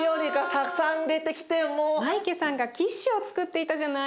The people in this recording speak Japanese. マイケさんがキッシュをつくっていたじゃない。